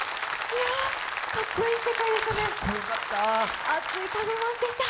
かっこいい世界でしたね。